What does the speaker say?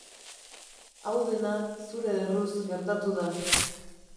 Hau dena zure erruz gertatu da.